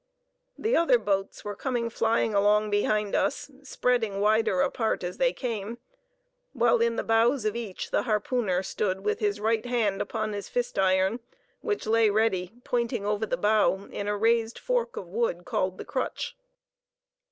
The other boats were coming flying along behind us, spreading wider apart as they came, while in the bows of each stood the harpooner with his right hand on his first iron, which lay ready, pointing over the bow in a raised fork of wood called the "crutch."